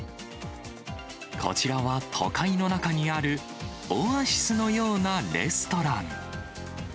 こちらは都会の中にあるオアシスのようなレストラン。